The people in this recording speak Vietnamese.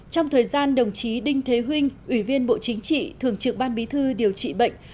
trong thời gian đồng chí đinh thế vinh ủy viên bộ chính trị thường trực ban bí thư điều trị bệnh